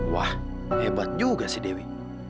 wah hebat juga si dewi